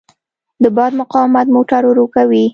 د باد مقاومت موټر ورو کوي.